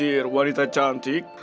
jangan khawatir wanita cantik